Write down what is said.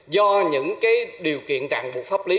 do những cái điều kiện rạng buộc pháp lý